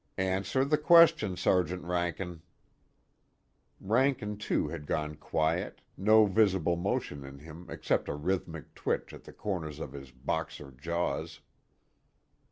"Answer the question, Sergeant Rankin." Rankin too had gone quiet, no visible motion in him except a rhythmic twitch at the corners of his Boxer jaws.